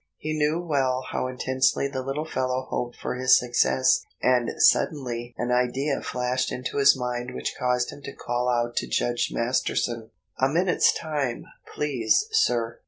He knew well how intensely the little fellow hoped for his success, and suddenly an idea flashed into his mind which caused him to call out to Judge Masterton,— "A minute's time, please, sir."